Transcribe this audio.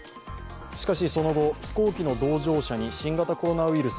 しかしその後、飛行機の同乗者に新型コロナウイルス